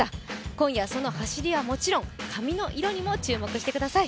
今夜その走りはもちろん、髪の色にも注目してください。